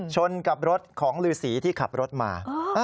ชนกับรถของฤษีที่ขับรถมา